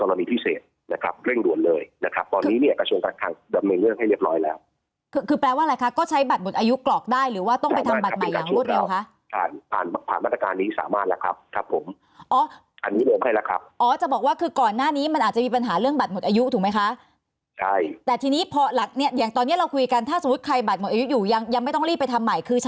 นะครับเร่งรวมเลยนะครับตอนนี้เนี่ยกระชวนการทางดำเนื่องให้เรียบร้อยแล้วคือคือแปลว่าอะไรคะก็ใช้บัตรหมดอายุกรอกได้หรือว่าต้องไปทำบัตรใหม่อย่างรวดเร็วค่ะผ่านผ่านมาตรการนี้สามารถแล้วครับครับผมอ๋ออันนี้เริ่มให้แล้วครับอ๋อจะบอกว่าคือก่อนหน้านี้มันอาจจะมีปัญหาเรื่องบัตรหมดอายุถูกไหมคะใช่แต่